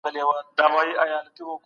ولي زده کوونکي په خپله ژبه کي تمرکز ساتي؟